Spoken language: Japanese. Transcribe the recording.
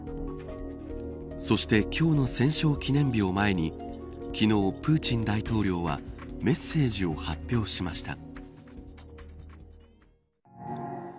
そして、今日の戦勝記念日を前に昨日、プーチン大統領はメッセージを発表しました。